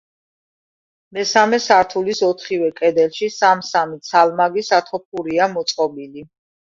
მესამე სართულის ოთხივე კედელში სამ-სამი ცალმაგი სათოფურია მოწყობილი.